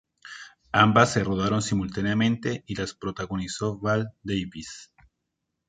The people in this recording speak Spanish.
Ambas se rodaron simultáneamente y las protagonizó Val Davis.